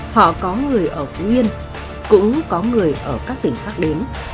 họ có người ở phú yên cũng có người ở các tỉnh khác đến